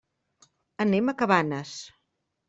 Anem a Cabanes.